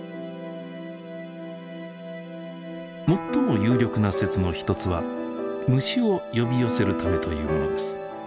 最も有力な説の一つは虫を呼び寄せるためというものです。